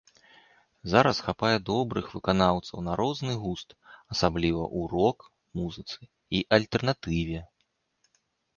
Зараз хапае добрых выканаўцаў на розны густ, асабліва ў рок-музыцы і альтэрнатыве.